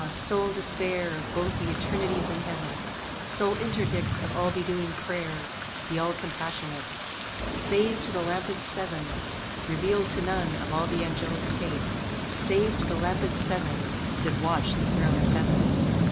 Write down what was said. sole despair Of both the eternities in Heaven! Sole interdict of all bedewing prayer, The all compassionate! Save to the Lampads Seven Reveal'd to none of all the Angelic State, Save to the Lampads Seven, That watch the throne of Heaven!